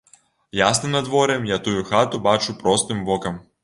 Ясным надвор'ем я тую хату бачу простым вокам.